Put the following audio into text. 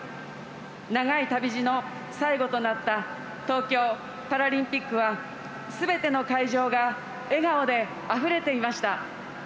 長い旅路の最後となった東京パラリンピックはすべての会場が笑顔であふれていました。